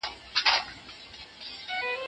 ګابرېلا نه غواړي د ستنو کارول عام شي.